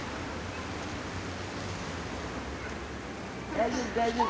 大丈夫大丈夫。